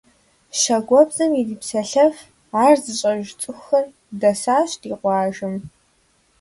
ЩакӀуэбзэм ирипсэлъэф, ар зыщӀэж цӀыхухэр дэсащ ди къуажэм.